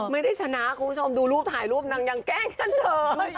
ไม่ได้ชนะคุณผู้ชมดูรูปถ่ายรูปนางยังแกล้งฉันเลย